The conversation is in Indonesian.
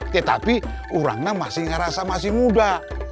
tetapi orangnya masih ngerasa masih muda